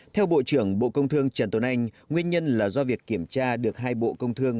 theo bộ trưởng bộ công thương trần tuấn anh nguyên nhân là do việc kiểm tra được hai bộ công thương